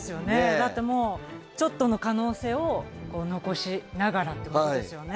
だってもうちょっとの可能性をこう残しながらってことですよね。